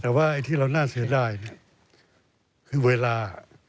แต่ไว้ที่เราน่าเสียได้คือเวลา